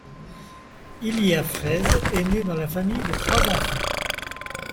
Ilia Frez est né dans la famille de trois enfants.